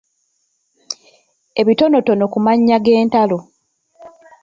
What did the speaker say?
Ebitonotono ku mannya g’entalo.